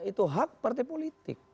itu hak partai politik